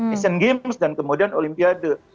asian games dan kemudian olimpiade